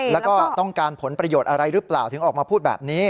แล้วก็ต้องการผลประโยชน์อะไรหรือเปล่าถึงออกมาพูดแบบนี้